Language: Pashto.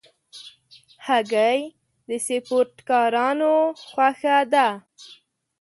هګۍ د سپورټکارانو خوښه ده.